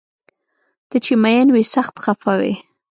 ته چې مین وي سخت خفه وي